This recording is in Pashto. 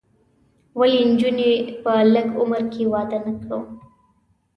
ولې نجونې په لږ عمر کې واده نه کړو؟